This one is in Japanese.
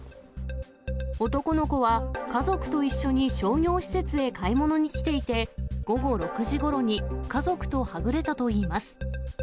男の子は家族と一緒に商業施設へ買い物に来ていて、午後６時ごろに家族とはぐれたといいます。